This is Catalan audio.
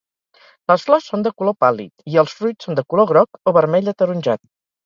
Les flors són de color pàl·lid i els fruits són de color groc o vermell-ataronjat.